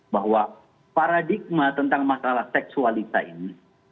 bahwa paradigma tentang masalah seksualitas ini